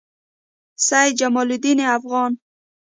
سعید جمالدین افغان